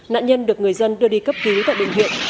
nạn nhân được người dân đưa đi cấp cứu tại bệnh viện